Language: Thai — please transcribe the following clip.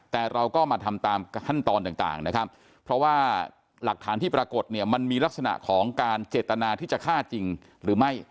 แต่เราก็มาทำตามขั้นตอนต่างนะครับเพราะว่าหลักฐานที่ปรากฏเนี่ยมันมีลักษณะของการเจตนาที่จะฆ่าจริงหรือไม่